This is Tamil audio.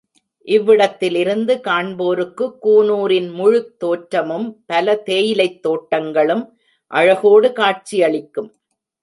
இவ்விடத்திலிருந்து காண்போருக்குக் கூனூரின் முழுத் தோற்றமும், பல தேயிலைத் தோட்டங்களும், அழகோடு காட்சியளிக்கும்.